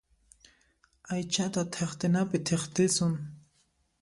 Aychata thiqtinapi thiqtisun.